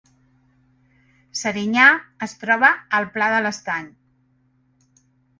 Serinyà es troba al Pla de l’Estany